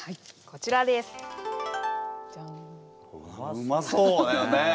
うまそうだよね。